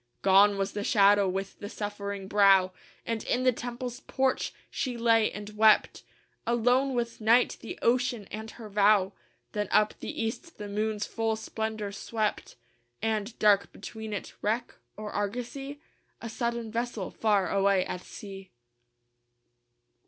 Gone was the shadow with the suffering brow; And in the temple's porch she lay and wept, Alone with night, the ocean, and her vow. Then up the east the moon's full splendor swept, And, dark between it wreck or argosy? A sudden vessel far away at sea.